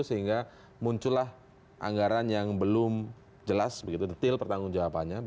sehingga muncullah anggaran yang belum jelas begitu detail pertanggung jawabannya